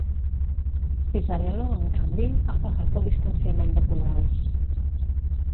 Pisarello, en canvi, ha pagat el distanciament de Colau.